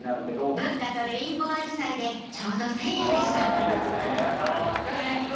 仏花とレインボーアジサイでちょうど１０００円でしたありがとう。